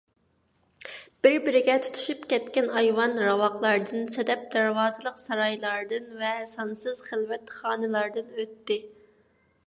بىر - بىرىگە تۇتىشىپ كەتكەن ئايۋان، راۋاقلاردىن، سەدەب دەرۋازىلىق سارايلاردىن ۋە سانسىز خىلۋەت خانىلاردىن ئۆتتى.